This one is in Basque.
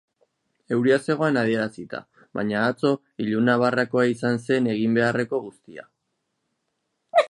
Euria zegoen adierazita, baina atzo ilunabarrekoa izango zen egin beharreko guztia.